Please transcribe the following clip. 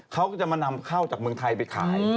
เขาก็จะมานำข้าวจากเมืองไทยไปขาย